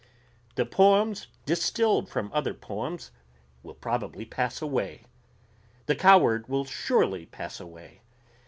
The poems distilled from other poems will probably pass away. The coward will surely pass away.